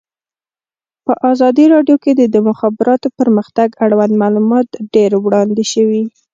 په ازادي راډیو کې د د مخابراتو پرمختګ اړوند معلومات ډېر وړاندې شوي.